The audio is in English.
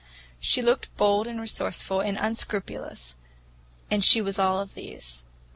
She looked bold and resourceful and unscrupulous, and she was all of these.